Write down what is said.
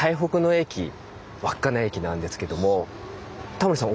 タモリさん